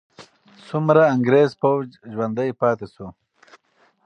څومره انګریزي پوځ ژوندی پاتې سو؟